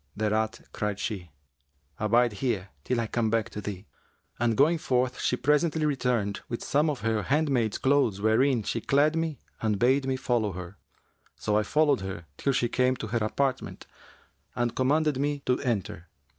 Thereat cried she, 'Abide here till I come back to thee;' and going forth she presently returned with some of her handmaid's clothes wherein she clad me and bade me follow her; so I followed her till she came to her apartment and commanded me to enter.